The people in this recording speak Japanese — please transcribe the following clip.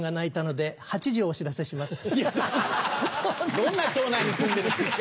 どんな町内に住んでるんですか？